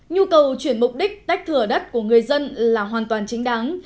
nhu cầu chuyển mục đích tách thửa đất của người dân là hoàn toàn chính đáng